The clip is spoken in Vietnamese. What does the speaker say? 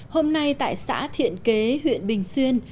hôm nay tại xã thiện kế huyện bình xuyên